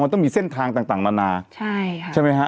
มันต้องมีเส้นทางต่างนานาใช่ค่ะใช่ไหมฮะ